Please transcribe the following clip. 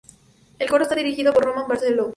El Coro está dirigido por Román Barceló.